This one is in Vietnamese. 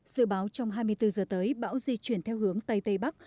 dự báo trong hai mươi bốn giờ tới bão di chuyển theo hướng tây tây bắc